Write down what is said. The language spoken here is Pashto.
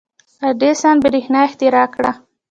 • اډېسن برېښنا اختراع کړه.